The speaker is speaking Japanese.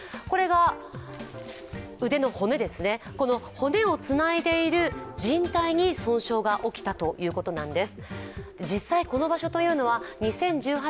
骨をつないでいるじん帯に損傷が起きたということなんです。